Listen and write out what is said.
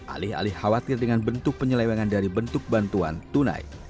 alih alih khawatir dengan bentuk penyelewengan dari bentuk bantuan tunai